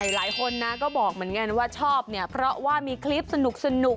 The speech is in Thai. หลายคนนะก็บอกเหมือนกันว่าชอบเนี่ยเพราะว่ามีคลิปสนุก